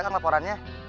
itu aja kan laporannya